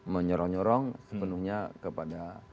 menyorong nyorong sepenuhnya kepada